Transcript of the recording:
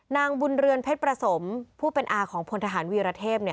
นางบุญเรือนเพชรประสมผู้เป็นอาของพลทหารวีรเทพ